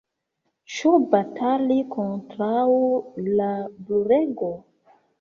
Ĉu batali kontraŭ la brulego?